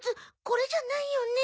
これじゃないよね？